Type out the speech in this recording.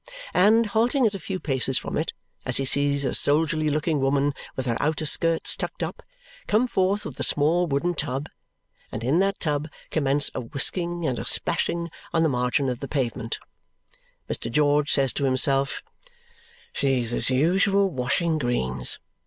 And halting at a few paces from it, as he sees a soldierly looking woman, with her outer skirts tucked up, come forth with a small wooden tub, and in that tub commence a whisking and a splashing on the margin of the pavement, Mr. George says to himself, "She's as usual, washing greens.